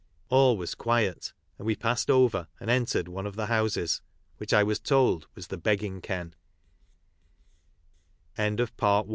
All was quiet, and we passed over and entered one of the houses, which I was told was the "begging ken," CilAri'Ell